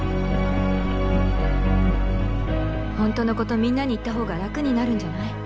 本当のことみんなに言った方が楽になるんじゃない？